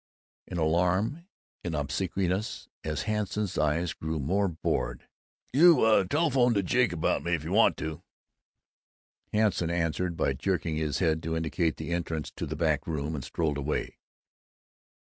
In alarm, in obsequiousness, as Hanson's eyes grew more bored, "You telephone to Jake about me, if you want to." Hanson answered by jerking his head to indicate the entrance to the back room, and strolled away.